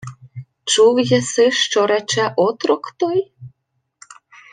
— Чув єси, що рече отрок той?